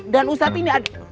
dan ustadz ini ada